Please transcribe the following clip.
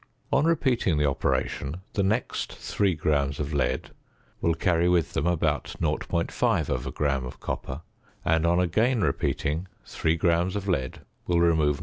On repeating the operation, the next 3 grams of lead will carry with them about 0.5 gram of copper; and on again repeating, 3 grams of lead will remove 0.